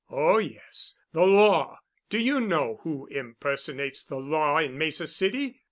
"Oh, yes. The Law! Do you know who impersonates the Law in Mesa City?